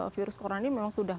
virus corona ini memang sudah